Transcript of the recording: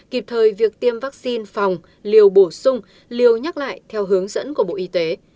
kịp thời việc tiêm vaccine phòng liều bổ sung liều nhắc lại theo hướng dẫn của bộ y tế